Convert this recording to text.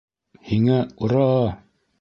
Һиңә -ура!